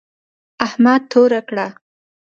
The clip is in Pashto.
احمد توره کړه.